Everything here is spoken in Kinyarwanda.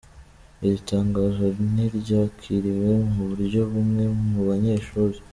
Iri tangazo ntiryakiriwe mu buryo bumwe mu banyeshuri.